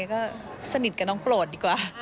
ก็สนิทกับน้องโปรดดีกว่า